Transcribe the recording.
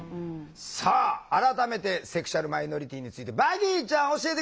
さあ改めてセクシュアルマイノリティーについてヴァギーちゃん教えて下さい。